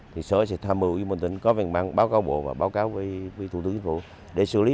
thì số sẽ tham mưu với bgco và báo cáo với thủ tướng chính phủ để xử lý